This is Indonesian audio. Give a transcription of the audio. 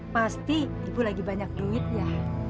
pasti ibu lagi banyak duit ya